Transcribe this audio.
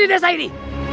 di desa ini